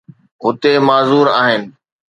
هتي معذور آهن.